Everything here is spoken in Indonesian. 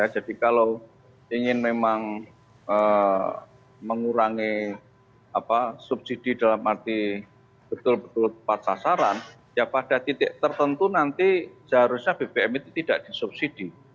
jadi kalau ingin memang mengurangi subsidi dalam arti betul betul tepat sasaran ya pada titik tertentu nanti seharusnya bbm itu tidak disubsidi